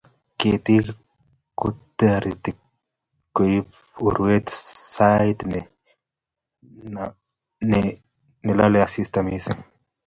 ketik kotoretuu kuibuu urwee sait namii asista nengwan